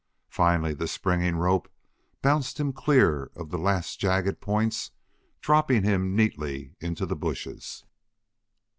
Finally the springing rope bounced him clear of the last jagged points, dropping him neatly into the bushes.